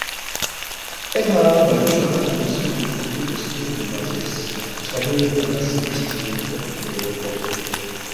ایکھہ بَجوفچوکھن پو سی کُھوری بُوسترِنگ پو لہ زیرس، ”چھرے نہ سن٘یاس چی ہندوق کُھورے دونگ